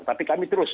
tapi kami terus